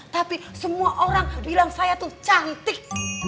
tapi semua orang bilang saya tuh cantik